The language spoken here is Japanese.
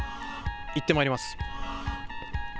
行ってまいります。